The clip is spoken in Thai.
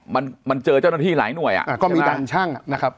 มันมันเจอเจ้าหน้าที่หลายหน่วยอ่ะก็มีการชั่งนะครับ